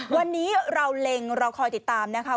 วันนี้เราเล็งเราคอยติดตามนะคะ